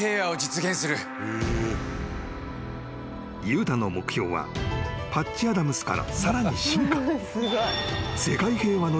［悠太の目標はパッチ・アダムスからさらに進化］